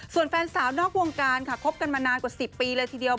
ส่วนแฟนสาวนอกวงการค่ะคบกันมานานกว่า๑๐ปีเลยทีเดียว